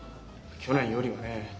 去年よりはね。